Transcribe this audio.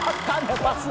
パス。